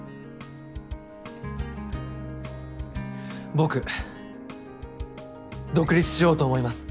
僕独立しようと思います。